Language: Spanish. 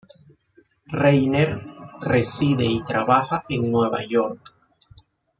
Rainer reside y trabaja en Nueva York.